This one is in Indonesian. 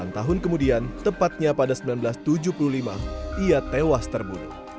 delapan tahun kemudian tepatnya pada seribu sembilan ratus tujuh puluh lima ia tewas terbunuh